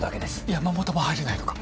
山本も入れないのか？